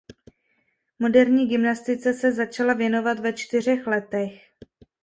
Moderní gymnastice se začala věnovat ve čtyřech letech.